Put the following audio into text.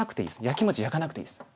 やきもちやかなくていいです。